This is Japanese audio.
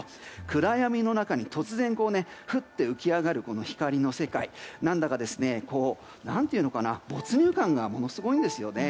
暗闇の中に突然降って浮き上がる光の世界、何というか没入感がものすごいんですよね。